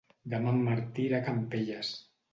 Demà en Martí irà a Campelles.